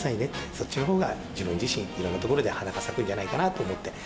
そっちのほうが自分自身、いろんな所で花が咲くんじゃないかなと思って。